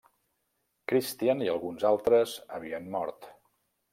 Christian i alguns altres havien mort.